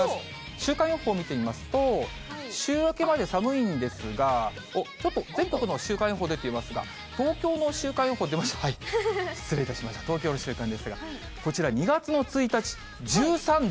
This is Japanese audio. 週間予報を見てみますと、週明けまで寒いんですが、ちょっと全国の週間予報出ていますが、東京の週間予報、出ました、失礼いたしました、東京の週間予報です、こちら２月の１日、１３度。